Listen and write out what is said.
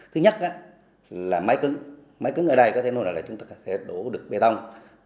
thứ nhất là mái cứng mái cứng ở đây có thể là chúng ta đổ được bê tông